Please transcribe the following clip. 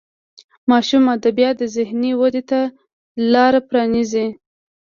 ماشوم ادبیات د ذهني ودې ته لار پرانیزي.